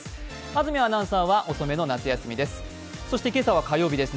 安住アナウンサーは遅めの夏休みです。